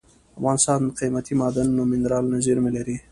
افغانستان قیمتي معدني منرالونو زیرمې لري.